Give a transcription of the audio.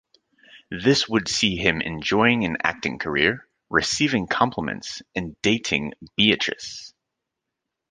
This would see him enjoying an acting career, receiving compliments, and dating Beatrice.